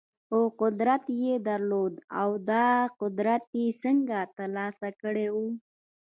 خو قدرت يې درلود او دا قدرت يې څنګه ترلاسه کړی و؟